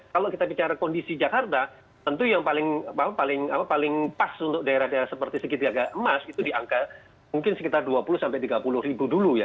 kalau kita bicara kondisi jakarta tentu yang paling pas untuk daerah daerah seperti segitiga emas itu di angka mungkin sekitar dua puluh sampai tiga puluh ribu dulu ya